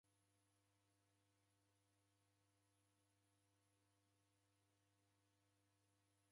Shighadi yaw'o yechua w'uchafu kweli.